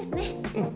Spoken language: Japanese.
うん。